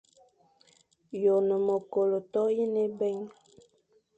Ye one me kôlo toyine ébèign.